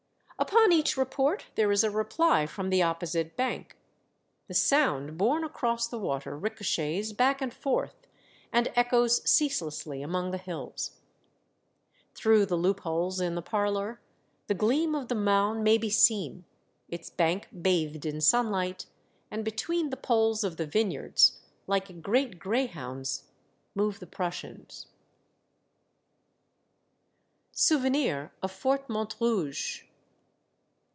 Upon each report, there is a reply from the opposite bank. The sound borne across the water ricochets back and forth, and echoes ceaselessly among the hills. Through the loopholes in the parlor, the gleam of the Marne may be seen, its bank bathed in sun light, and between the poles of the vineyards, like great greyhounds, move the Prussian i. SOUVENIR OF FORT MONTROUGE.